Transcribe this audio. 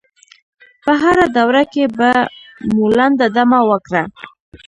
په هره دوره کې به مو لنډه دمه وکړه.